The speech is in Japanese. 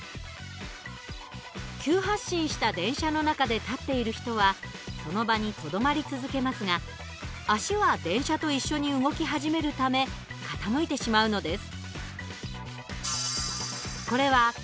急発進した電車の中で立っている人はその場にとどまり続けますが足は電車と一緒に動き始めるため傾いてしまうのです。